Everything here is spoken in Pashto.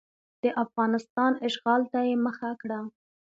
د افغانستان اشغال ته یې مخه کړه.